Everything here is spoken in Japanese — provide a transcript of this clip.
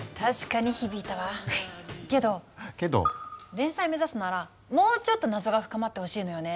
連載目指すならもうちょっと謎が深まってほしいのよね。